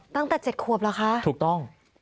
ตั้งแต่๗ขวบเหรอคะถูกต้อง